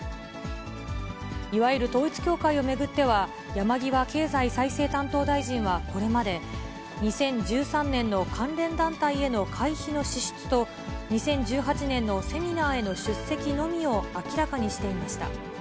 いわゆる統一教会を巡っては、山際経済再生担当大臣はこれまで、２０１３年の関連団体への会費の支出と、２０１８年のセミナーへの出席のみを明らかにしていました。